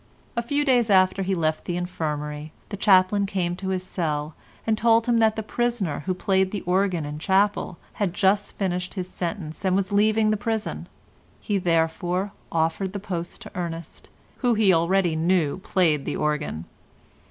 A few days after he had left the infirmary the chaplain came to his cell and told him that the prisoner who played the organ in chapel had just finished his sentence and was leaving the prison; he therefore offered the post to Ernest, who he already knew played the organ.